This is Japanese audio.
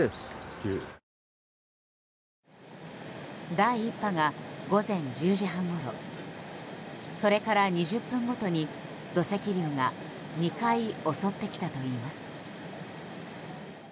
第１波が午前１０時半ごろそれから２０分ごとに、土石流が２回襲ってきたといいます。